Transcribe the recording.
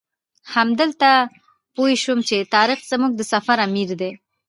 همدلته پوی شوم چې طارق زموږ د سفر امیر دی.